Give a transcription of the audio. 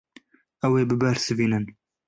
Ew ê bibersivînin.